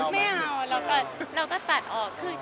ไม่เอาเราก็ตัดออก